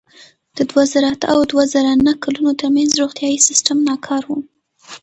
د دوه زره اته او دوه زره نهه کلونو ترمنځ روغتیايي سیستم ناکار و.